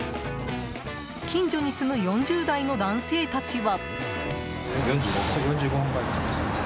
近所に住む４０代の男性たちは。